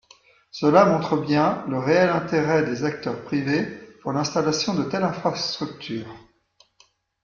Cela montre bien le réel intérêt des acteurs privés pour l’installation de telles infrastructures.